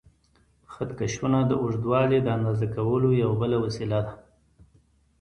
خط کشونه د اوږدوالي د اندازه کولو یوه بله وسیله ده.